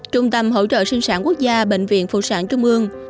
trung tâm hỗ trợ sinh sản quốc gia bệnh viện phụ sản trung ương